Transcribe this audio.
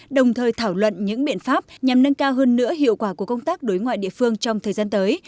đồng thời thảo luận những biện pháp nhằm nâng cao hơn nữa hiệu quả của công tác đối ngoại địa phương trong thời gian tới